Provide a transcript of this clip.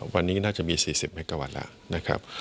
วันนี้น่าจะมี๔๐เมกาวัตต์แล้วนะครับ